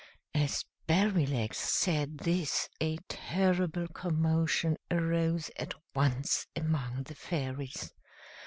As Berrylegs said this a terrible commotion arose at once among the fairies.